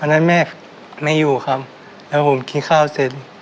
นั้นแม่ไม่อยู่ครับแล้วผมกินข้าวเสร็จ